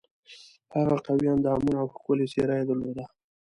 هغه قوي اندامونه او ښکلې څېره یې درلوده.